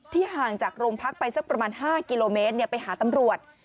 ห่างจากโรงพักไปสักประมาณ๕กิโลเมตรไปหาตำรวจ